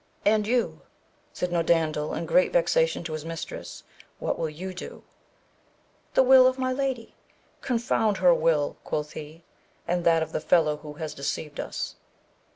And you, said Norandel in great vexa tion to his mistress, what will you do 1 — The will of my lady. Confound her will, quoth he, and that of the fellow who has deceived us.